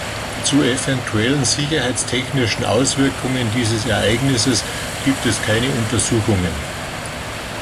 Zu eventuellen sicherheitstechnischen Auswirkungen dieses Ereignisses gibt es keine Untersuchungen.